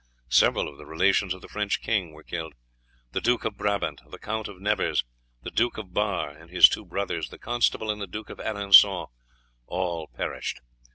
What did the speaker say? Several of the relations of the French king were killed. The Duke of Brabant, the Count de Nevers, the Duke of Bar and his two brothers, the constable, and the Duke of Alençon all perished.